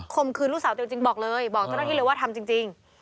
คุมคืนลูกสาวจริงบอกเลยบอกตอนนั้นที่เลยว่าทำจริง